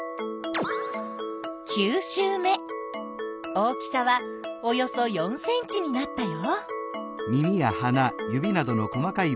大きさはおよそ４ｃｍになったよ。